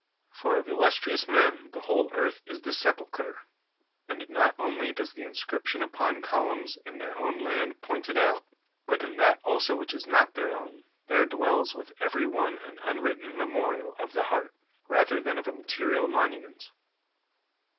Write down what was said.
For of illustrious men the whole earth is the sepul clier; and not only does the inscription upon columns in their own land point it out, but in that also which is not their own there dwells with every one an unwritten memorial of the heart, rather than of a material monument.